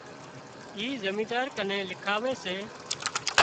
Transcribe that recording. اِي زمينۮار ڪن لکاوي سي